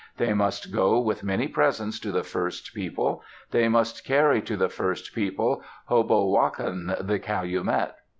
They must go with many presents to the First People. They must carry to the First People Hobowakan, the calumet."